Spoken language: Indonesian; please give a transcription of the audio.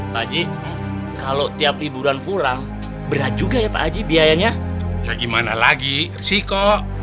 haji kalau tiap liburan pulang berat juga ya pak aji biayanya ya gimana lagi sih kok